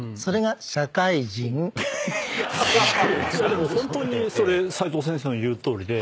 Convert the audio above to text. でも本当にそれ齋藤先生の言うとおりで。